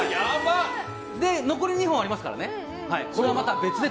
残り２本ありますからね。